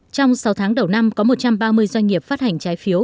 trong sáu tháng đầu năm có một trăm ba mươi doanh nghiệp phát hành trái phiếu